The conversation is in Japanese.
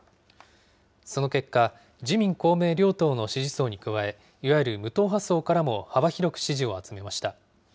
その結果、自民、公明両党の支持層に加え、いわゆる無党派層からも幅広く支持を集めました。